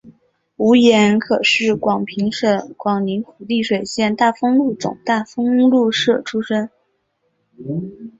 吴廷可是广平省广宁府丽水县大丰禄总大丰禄社出生。